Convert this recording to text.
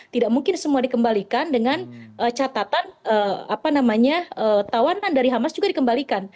tidak mungkin semua dikembalikan dengan catatan tahanan dari hamas juga dikembalikan